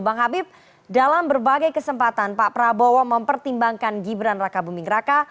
bang habib dalam berbagai kesempatan pak prabowo mempertimbangkan gibran raka buming raka